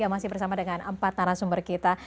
masih bersama dengan empat narasumber kita